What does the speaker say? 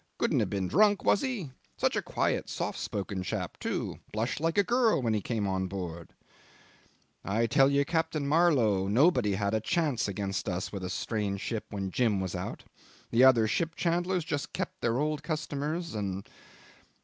Couldn't have been drunk was he? Such a quiet, soft spoken chap too blush like a girl when he came on board. ...' I tell you, Captain Marlow, nobody had a chance against us with a strange ship when Jim was out. The other ship chandlers just kept their old customers, and